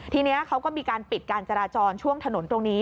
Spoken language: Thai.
ทีนี้เขาก็มีการปิดการจราจรช่วงถนนตรงนี้